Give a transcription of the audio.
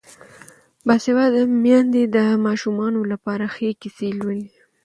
باسواده میندې د ماشومانو لپاره ښې کیسې لولي.